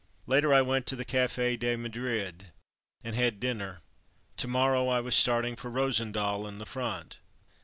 Later I went to the Cafe de Madrid and had dinner. To morrow I was starting for Rosendael and the front.